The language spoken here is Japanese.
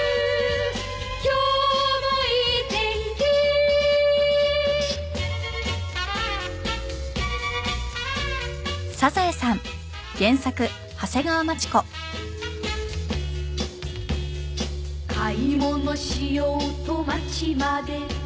「今日もいい天気」「買い物しようと街まで」